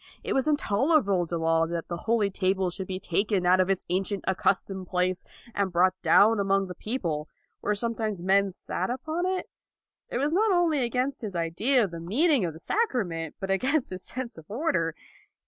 It was intolerable to Laud that the Holy Table should be taken out of its ancient, accustomed place, and brought down among the people, where sometimes men LAUD 223 sat upon it. It was not only against his idea of the meaning of the sacrament, but against his sense of order.